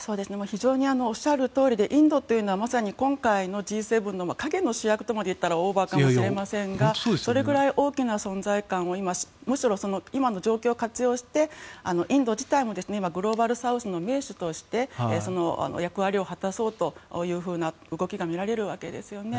非常におっしゃるとおりでインドというのは今回のＧ７の陰の主役とまで言ったらオーバーかもしれませんがそれぐらい大きな存在感をむしろ今の状況を活用してインド自体もグローバルサウスの元首として役割を果たそうというふうな動きがみられるわけですよね。